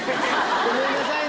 ごめんなさいね。